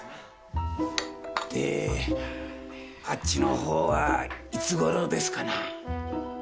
であっちのほうはいつごろですかな？